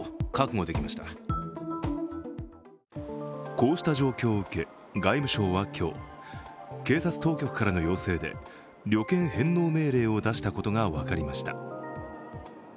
こうした状況を受け外務省は今日、警察当局からの要請で旅券返納命令を出したことが分かりました。